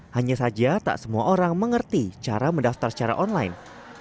hanya saja tak semua orang mengerti cara mendaftar secara online